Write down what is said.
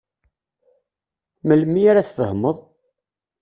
Melmi ara tfehmeḍ?